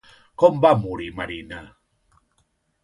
Com va morir Marina?